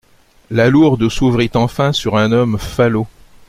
La lourde s’ouvrit enfin sur un homme falot.